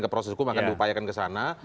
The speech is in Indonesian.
ke proses hukum akan diupayakan kesana